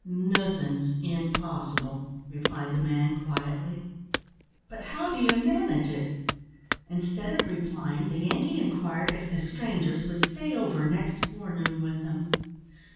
"Nothin''s impossible," replied the man, quietly. "But how do you manage it?" Instead of replying, the Yankee inquired if "the strangers" would stay over next forenoon with them.